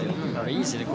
いいですよね